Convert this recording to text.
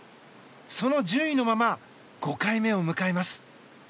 その順位のまま５回目を迎えます。